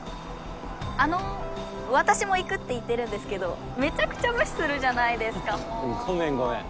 あの私も行くって言ってるんですけどめちゃくちゃ無視するじゃないですかもう。ごめんごめん。